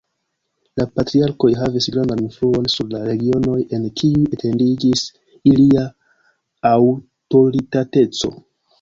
La patriarkoj havis grandan influon sur la regionoj en kiuj etendiĝis ilia aŭtoritateco.